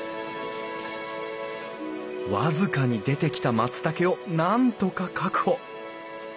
僅かに出てきた松たけをなんとか確保。